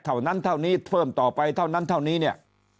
เท่านั้นเท่านี้เพิ่มต่อไปเท่านั้นเท่านี้เนี่ย